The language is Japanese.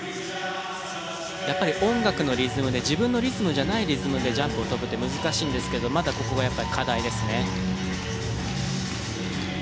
やっぱり音楽のリズムで自分のリズムじゃないリズムでジャンプを跳ぶって難しいんですけどまだここがやっぱり課題ですね。